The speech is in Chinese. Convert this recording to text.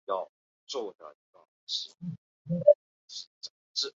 莎车柽柳为柽柳科柽柳属下的一个种。